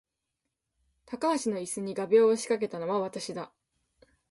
高橋の椅子に画びょうを仕掛けたのは私だ